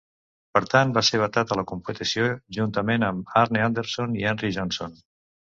Per tant, va ser vetat a la competició, juntament amb Arne Andersson i Henry Jonsson.